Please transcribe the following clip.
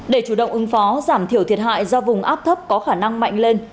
để chủ động ứng phó giảm thiểu thiệt hại do vùng áp thấp có khả năng mạnh lên